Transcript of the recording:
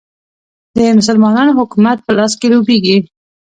د مسلمانانو حکومت په لاس کې لوبیږي.